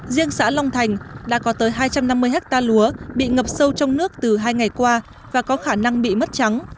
riêng xã long thành đã có tới hai trăm năm mươi hectare lúa bị ngập sâu trong nước từ hai ngày qua và có khả năng bị mất trắng